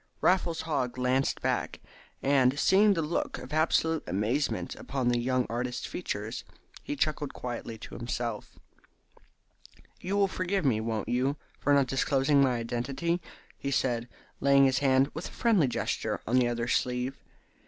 Raffles Haw glanced back, and seeing the look of absolute amazement upon the young artist's features, he chuckled quietly to himself. "You will forgive me, won't you, for not disclosing my identity?" he said, laying his hand with a friendly gesture upon the other's sleeve.